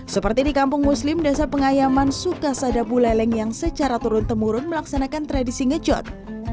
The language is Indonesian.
seperti di kampung muslim desa pengayaman sukasadabuleleng yang secara turun temurun melaksanakan tradisi ngecot